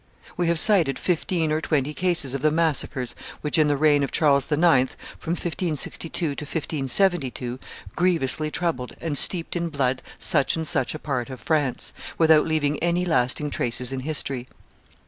We have cited fifteen or twenty cases of the massacres which in the reign of Charles IX., from 1562 to 1572, grievously troubled and steeped in blood such and such a part of France, without leaving any lasting traces in history.